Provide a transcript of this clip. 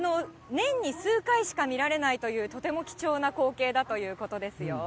年に数回しか見られないというとても貴重な光景だということです